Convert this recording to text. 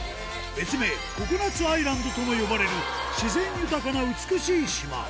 別名、ココナッツアイランドともいわれる、自然豊かな美しい島。